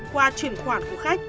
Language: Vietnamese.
qua chuyển khoản của khách